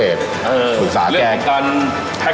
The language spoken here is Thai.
เออเรื่องแบบการแท็กเก็ต